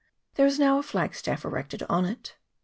There is now a flag staff erected on it.